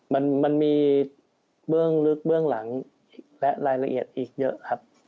มันมีเบื้องลึกเบื้องหลังและรายละเอียดอีกเยอะครับ